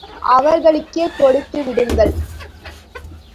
அவர்களுக்கே கொடுத்து விடுங்கள்.